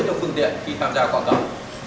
cho phương tiện khi tham gia quả cầu